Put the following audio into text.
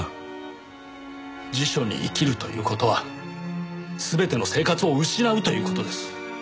辞書に生きるという事は全ての生活を失うという事です。